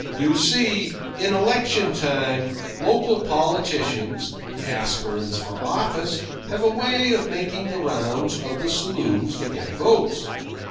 You see, in election time local politicians, aspirants for office, have a way of making the rounds of the saloons to get votes.